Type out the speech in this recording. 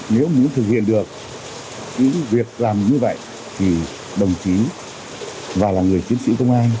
nếu muốn thực hiện được những việc làm như vậy thì đồng chí và là người chiến sĩ đồng nai